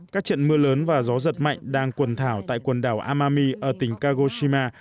các trận mưa lớn và gió giật mạnh đang quần thảo tại quần đảo amami ở tỉnh kagoshima